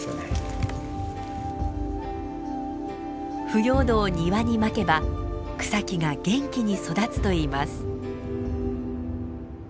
腐葉土を庭に撒けば草木が元気に育つといいます。